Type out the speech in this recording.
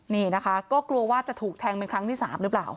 นี่นะคะก็กลัวว่าจะถูกแทงเป็นครั้งที่๓หรือเปล่า